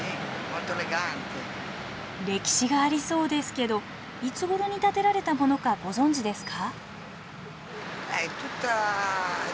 歴史がありそうですけどいつごろに建てられたものかご存じですか？